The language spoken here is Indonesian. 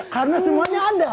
karena semuanya ada